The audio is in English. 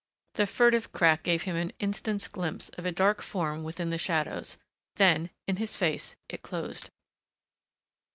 The furtive crack gave him an instant's glimpse of a dark form within the shadows, then, in his face, it closed.